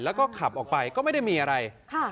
แล้วก็ขับออกไปก็ไม่ได้มีอะไร